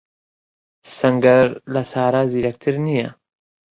سەنگەر لە سارا زیرەکتر نییە.